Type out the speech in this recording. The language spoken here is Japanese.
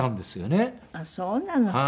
あっそうなの。